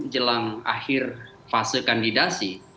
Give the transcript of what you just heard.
jelang akhir fase kandidasi